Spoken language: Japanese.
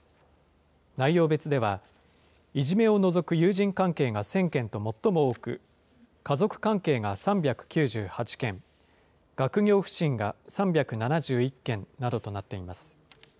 内容別では、いじめを除く友人関係が１０００件と最も多く、家族関係が３９８件、学業不振が３７１件などとなっています。